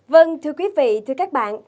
vâng thưa quý vị thưa các bạn